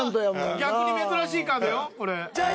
逆に珍しいカードよこれ。